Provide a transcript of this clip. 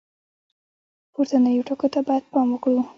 پورتنیو ټکو ته باید پام وکړو.